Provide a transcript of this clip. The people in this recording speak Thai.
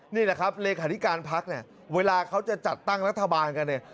นี่แหละครับเลขาธิการพักเนี่ยเวลาเขาจะจัดตั้งรัฐบาลกันเนี่ย